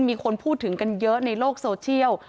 มีคนพูดถึงกันเยอะในโลกโซเชียล